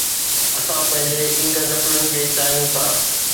اسان پنهنجي ايندڙ نسلن کي چاهيون ٿا